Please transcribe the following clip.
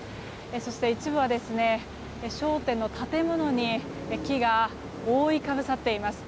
そして一部は、商店の建物に木が覆いかぶさっています。